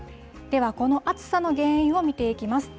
では、この暑さの原因を見ていきます。